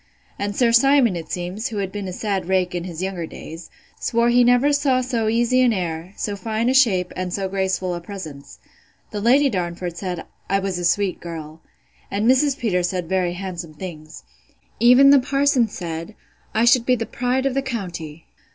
And Sir Simon, it seems, who has been a sad rake in his younger days, swore he never saw so easy an air, so fine a shape, and so graceful a presence.—The Lady Darnford said, I was a sweet girl. And Mrs. Peters said very handsome things. Even the parson said, I should be the pride of the county.